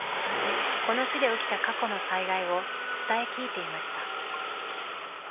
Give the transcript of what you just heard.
この地で起きた過去の災害を伝え聞いていました。